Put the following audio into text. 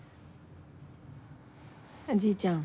じいちゃん